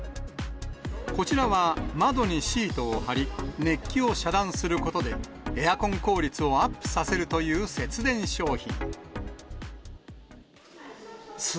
こちらは、窓にシートを貼り、熱気を遮断することで、エアコン効率をアップさせるという節電商品。